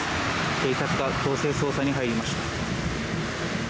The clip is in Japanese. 警察が強制捜査に入りました。